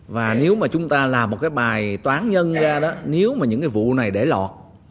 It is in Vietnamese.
và nếu mà chúng ta làm một bài toán nhân ra đó nếu mà những vụ này để lọt